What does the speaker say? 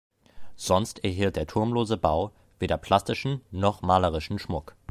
Sonst erhielt der turmlose Bau weder plastischen noch malerischen Schmuck.